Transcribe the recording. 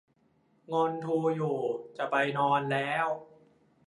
งอนทรูอยู่ จะไปนอนแล้ว